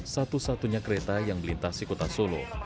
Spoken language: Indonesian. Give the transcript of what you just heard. satu satunya kereta yang melintasi kota solo